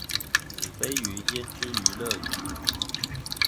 子非魚焉知魚樂呀